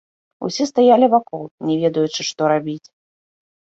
Усе стаялі вакол, не ведаючы, што рабіць.